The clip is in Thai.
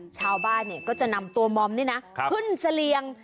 ชาวบ้านก็จะนำตัวมอมนี่นะขึ้นเสลียง